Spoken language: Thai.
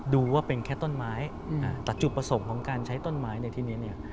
ดูว่าเป็นแค่ต้นไม้แต่จุดประสงค์ของการใช้ต้นไม้ในที่นี้เนี่ย